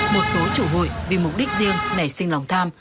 một số chủ hụi vì mục đích riêng nảy sinh lòng tham